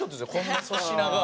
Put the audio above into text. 粗品が。